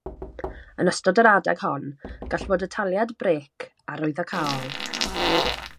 Yn ystod yr adeg hon, gall fod ataliad brêc arwyddocaol.